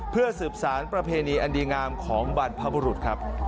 เพื่อสืบสารประเพณีอันดีงามของบรรพบุรุษครับ